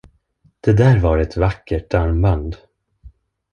Det där var ett vackert armband.